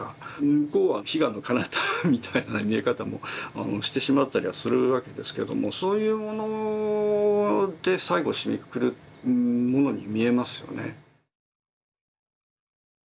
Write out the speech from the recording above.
向こうは彼岸の彼方みたいな見え方もしてしまったりはするわけですけれどもそういうもので最後締めくくるものに見えますよね。